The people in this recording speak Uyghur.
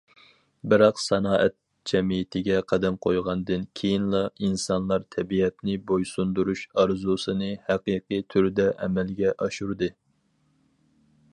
بىراق سانائەت جەمئىيىتىگە قەدەم قويغاندىن كېيىنلا ئىنسانلار تەبىئەتنى بويسۇندۇرۇش ئارزۇسىنى ھەقىقىي تۈردە ئەمەلگە ئاشۇردى.